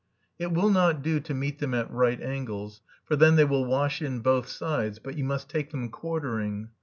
It will not do to meet them at right angles, for then they will wash in both sides, but you must take them quartering.